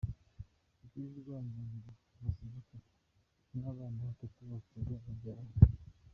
Jolly Rwanyonga Mazimpaka, n’abana batatu b’abakobwa babyaranye.